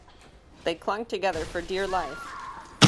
They clung together for dear life